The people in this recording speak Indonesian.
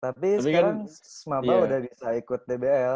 tapi sekarang sma udah bisa ikut dbl